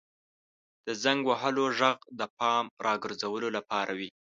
• د زنګ وهلو ږغ د پام راګرځولو لپاره وي.